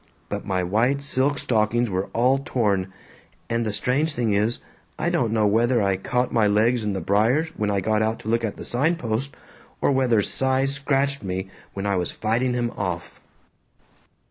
But my white silk stockings were all torn, and the strange thing is, I don't know whether I caught my legs in the briers when I got out to look at the sign post, or whether Cy scratched me when I was fighting him off."